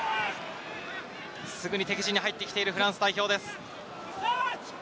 すぐに敵陣に入ってきているフランス代表です。